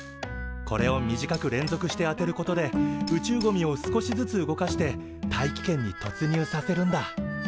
これを短く連続して当てることで宇宙ゴミを少しずつ動かして大気圏にとつにゅうさせるんだ。